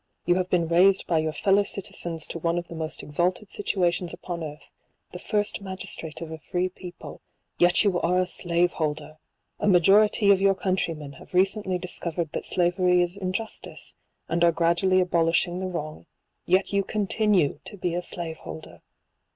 You have been raised by your fellow citizens to one of the most exalted situations upon earth, the first magistrate of a free people ; yet you are a slave holder ! A ma jority of your countrymen have recently discovered that slavery is injustice, and are gradually abolishing the wrong ; yet you continue to be a slave holder